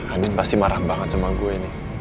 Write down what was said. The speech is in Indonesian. andin pasti marah banget sama gue ini